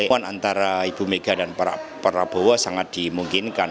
pertemuan antara ibu mega dan pak prabowo sangat dimungkinkan